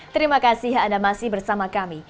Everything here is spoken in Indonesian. terima kasih anda masih bersama kami